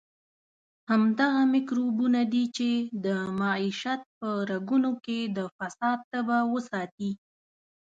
همدغه میکروبونه دي چې د معیشت په رګونو کې د فساد تبه وساتي.